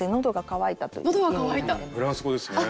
フランス語ですね。